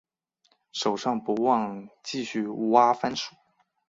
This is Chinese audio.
手上不忘继续挖番薯